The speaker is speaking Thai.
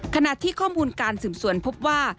ขณะที่ข้อมูลการสืบสวนพบว่า